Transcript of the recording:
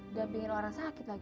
udah bikin orang sakit lagi